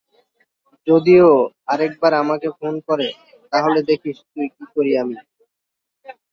যদি ও আরেকবার আমাকে ফোন করে, তাহলে দেখিস তুই কী করি আমি!